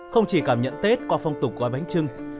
không chỉ cảm nhận tết qua phong tục gói bánh trưng